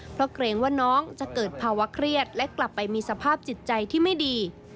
เพราะเกรงว่าน้องจะเกิดภาวะเครียดและกลับไปมีสภาพจิตใจที่ไม่ดี